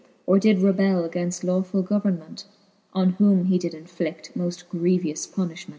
Or did rebell gainfl lawfuU government ; On whom he did jnflidt moil grievous puniihment.